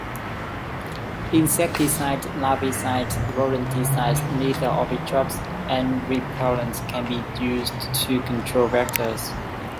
Insecticides, larvicides, rodenticides, Lethal ovitraps and repellents can be used to control vectors.